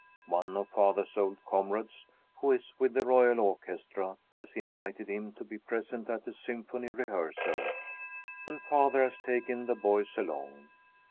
One of father's old comrades, who is with the Royal Orchestra, has invited him to be present at a symphony rehearsal, and father has taken the boys along.